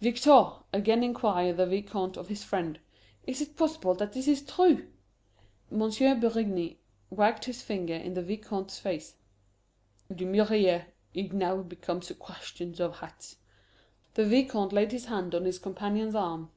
"Victor," again inquired the Vicomte of his friend, "is it possible that this is true?" M. Berigny wagged his finger in the Vicomte's face. "D'Humières, it now becomes a question of hats." The Vicomte laid his hand on his companion's arm.